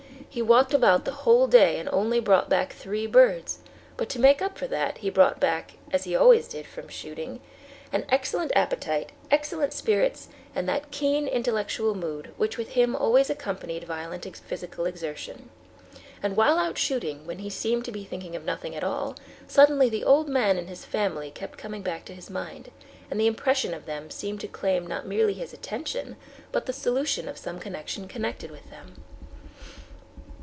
He walked about the whole day and only brought back three birds, but to make up for that—he brought back, as he always did from shooting, an excellent appetite, excellent spirits, and that keen, intellectual mood which with him always accompanied violent physical exertion. And while out shooting, when he seemed to be thinking of nothing at all, suddenly the old man and his family kept coming back to his mind, and the impression of them seemed to claim not merely his attention, but the solution of some question connected with them.